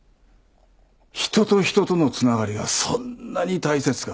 人と人との繋がりがそんなに大切か。